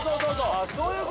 あっそういう事？